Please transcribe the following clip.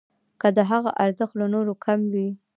که د هغه ارزښت له نورو کم وي.